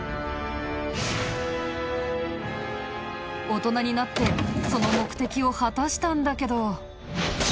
大人になってその目的を果たしたんだけど。